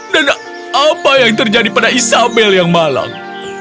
dan apa yang terjadi pada isabel yang malang